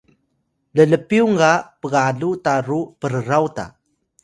llpyung ga pgalu ta ru prraw ta